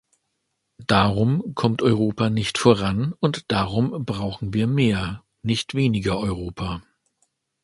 Darum kommt Europa nicht voran und darum brauchen wir mehr, nicht weniger Europa.